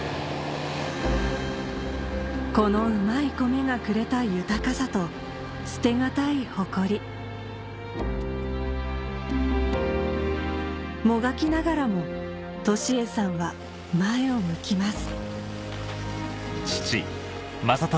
このうまいコメがくれた豊かさと捨てがたい誇りもがきながらも利栄さんは前を向きます